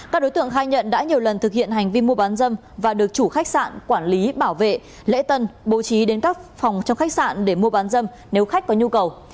các đối tượng khai nhận đã nhiều lần thực hiện hành vi mua bán dâm và được chủ khách sạn quản lý bảo vệ lễ tân bố trí đến các phòng trong khách sạn để mua bán dâm nếu khách có nhu cầu